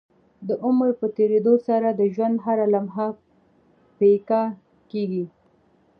د عمر په تيريدو سره د ژوند هره لمحه پيکه کيږي